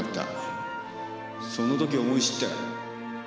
その時思い知ったよ。